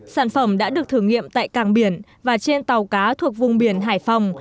sản phẩm đã được thử nghiệm tại càng biển và trên tàu cá thuộc vùng biển hải phòng